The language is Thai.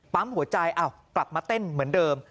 ปั๊มหัวใจกลับมาเต้นเหมือนเดิม